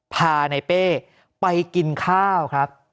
พาในเป้ไปกินข้าวครับ